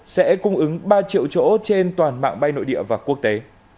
sẽ cung ứng ba triệu chỗ trên toàn mạng bay nội địa và quốc tế